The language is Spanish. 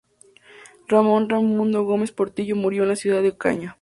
Ramon Raimundo Gómez Portillo murió en la ciudad de Ocaña.